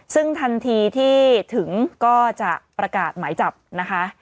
ซึ่งทันทีที่ถึงก็จะประกาศหมายจับนะคะ